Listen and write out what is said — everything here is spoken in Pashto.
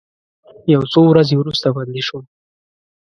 یو څو ورځې وروسته بندي شوم.